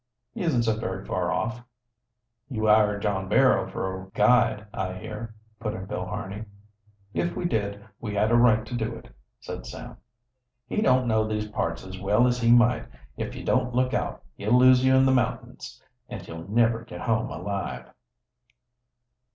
"He isn't so very far off." "You hired John Barrow for a guide, I heard," put in Bill Harney. "If we did, we had a right to do it," said Sam. "He don't know these parts as well as he might. If you don't look out he'll lose you in the mountains, and you'll never get home alive."